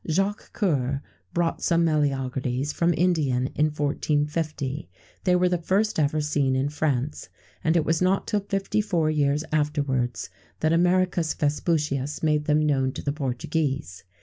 [XVII 110] Jacques Cœur brought some meleagrides from India, in 1450; they were the first ever seen in France, and it was not till fifty four years afterwards that Americus Vespucius made them known to the Portuguese.